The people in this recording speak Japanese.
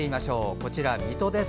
こちら水戸です。